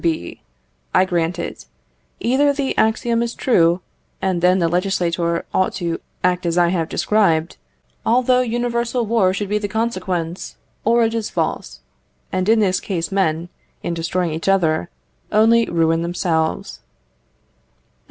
B. I grant it. Either the axiom is true, and then the legislator ought to act as I have described, although universal war should be the consequence; or it is false; and in this case men, in destroying each other, only ruin themselves.